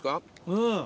うん！